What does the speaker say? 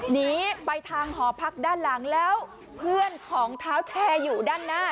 หนีไปทางหอพักด้านหลังแล้วเพื่อนของเท้าแชร์อยู่ด้านหน้า